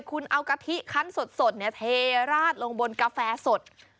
คุณเอากะทิคันสดเทราดลงบนกาแฟสด